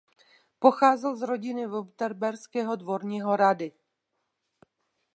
Pocházel z rodiny württemberského dvorního rady.